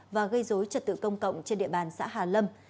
và gây dối trật tự công cộng trên địa bàn xã hà lâm